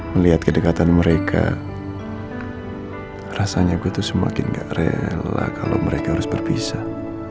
melihat kedekatan mereka rasanya gue tuh semakin gak rela kalau mereka harus berpisah